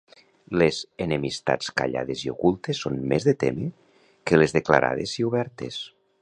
Les enemistats callades i ocultes són més de témer que les declarades i obertes.